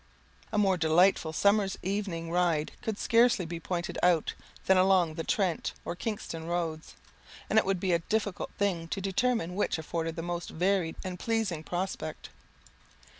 A more delightful summer's evening ride could scarcely be pointed out than along the Trent, or Kingston roads, and it would be a difficult thing to determine which afforded the most varied and pleasing prospect.